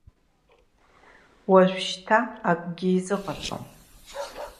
Уажәшьҭа акгьы изыҟаҵом.